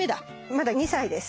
まだ２歳です。